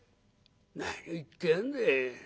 何を言ってやんだ。